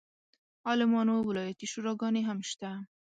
عالمانو ولایتي شوراګانې هم شته.